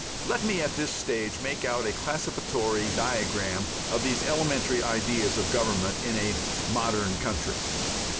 Let me at this stage make out a classificatory diagram of these elementary ideas of government in a modern country.